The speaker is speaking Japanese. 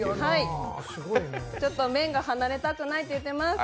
麺が離れたくないって言ってます。